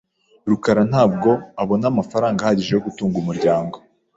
rukara ntabwo abona amafaranga ahagije yo gutunga umuryango .